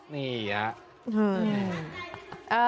นี่อะ